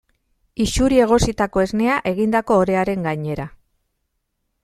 Isuri egositako esnea egindako orearen gainera.